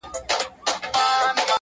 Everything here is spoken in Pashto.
• زما په خيال هري انجلۍ ته گوره ـ